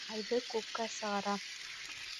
Айҙы күккә сығара.